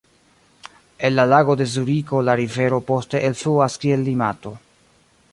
El la Lago de Zuriko la rivero poste elfluas kiel Limato.